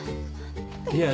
いや。